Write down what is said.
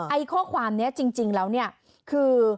ข้อความนี้จริงแล้วเนี่ยคือ